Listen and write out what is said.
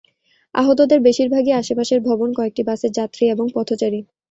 আহতদের বেশিরভাগই আশেপাশের ভবন, কয়েকটি বাসের যাত্রী এবং পথচারী।